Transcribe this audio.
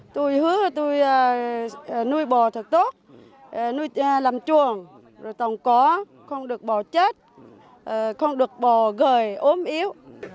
tôi hứa tôi nuôi bò thật tốt nuôi làm chuồng có không được bò chết không được bò gời ốm yếu